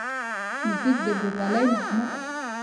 موزیک د ورورولۍ نغمه ده.